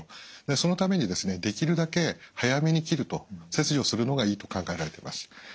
そのためにですねできるだけ早めに切ると切除するのがいいと考えられています。